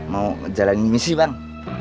mau jalanin misi bang